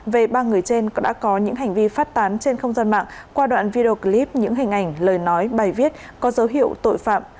về ba người trên đã có những hành vi phát tán trên không gian mạng qua đoạn video clip những hình ảnh lời nói bài viết có dấu hiệu tội phạm